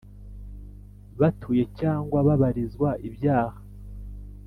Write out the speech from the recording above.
Batuye cyangwa babarizwa ibyaha